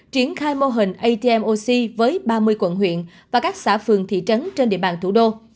triển khai mô hình atmoc với ba mươi quận huyện và các xã phường thị trấn trên địa bàn thủ đô